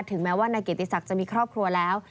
แม้ว่านายเกียรติศักดิ์จะมีครอบครัวแล้ว